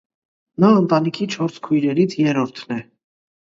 Նա ընտանիքի չորս քույրերից երրորդն է։